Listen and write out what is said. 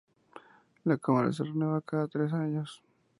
La cámara se renueva cada tres años.